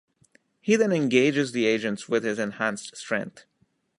He then engages the agents with his enhanced strength.